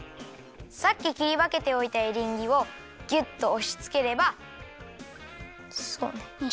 さっききりわけておいたエリンギをギュッとおしつければ。